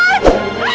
tolong angkatin dokter